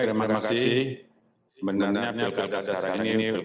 bisa membuat semua tahapan bisa anda jalankan dengan baik